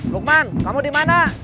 lukman kamu dimana